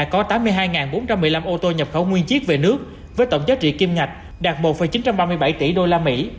có tám mươi hai bốn trăm một mươi năm ô tô nhập khẩu nguyên chiếc về nước với tổng giá trị kim ngạch đạt một chín trăm ba mươi bảy tỷ đô la mỹ